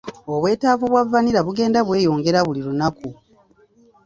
Obwetaavu bwa vanilla bugenda bweyongera buli lunaku.